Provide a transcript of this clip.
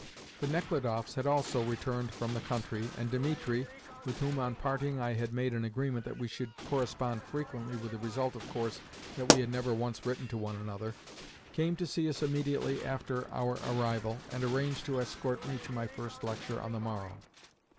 The Nechludoffs had also returned from the country, and Dimitri (with whom, on parting, I had made an agreement that we should correspond frequently with the result, of course, that we had never once written to one another) came to see us immediately after our arrival, and arranged to escort me to my first lecture on the morrow.